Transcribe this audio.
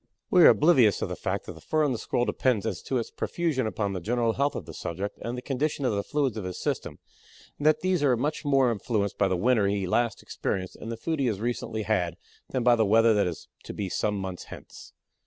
We are oblivious of the fact that the fur on the Squirrel depends as to its profusion upon the general health of the subject and the condition of the fluids of his system, and that these are much more influenced by the winter he last experienced and the food he has recently had than by the weather that is to be some months hence.